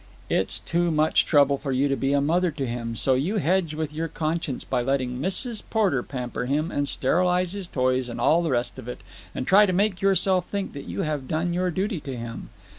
It's too much trouble for you to be a mother to him, so you hedge with your conscience by letting Mrs. Porter pamper him and sterilize his toys and all the rest of it, and try to make yourself think that you have done your duty to him.